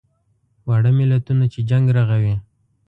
واړه ملتونه چې جنګ رغوي.